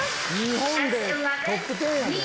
「日本でトップ１０やで！？」